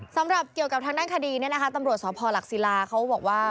สำหรับเกี่ยวกับทางด้านคดีเนี่ยนะคะตำรวจสพหลักศิลาเขาบอกว่า